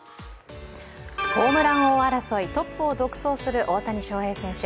ホームラン王争い、トップを独走する大谷翔平選手。